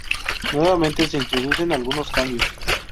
Nuevamente se introducen algunos cambios.